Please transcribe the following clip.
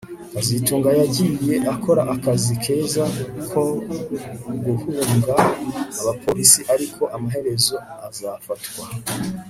kazitunga yagiye akora akazi keza ko guhunga abapolisi ariko amaherezo azafatwa